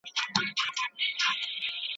د خلګو مقاومت او قرباني هېڅکله نه هېريږي.